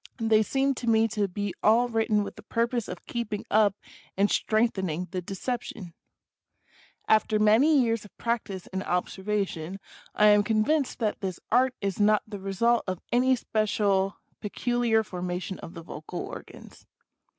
They seem to me to be all written with the purpose of keeping up and strengthen ing the deception. After many years of practice and observation I am convinced that this Art is not the result of any special pecu liar formation of the vocal organs.